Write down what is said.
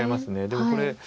でもこれ。